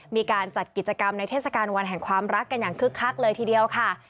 มีการจัดกิจกรรมในเทศกาลวันแห่งความรักกันอย่างคึกคักเลยทีเดียวค่ะ